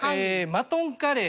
マトンカレー。